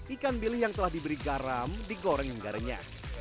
ikan bilik yang telah diberi garam digoreng gorengnya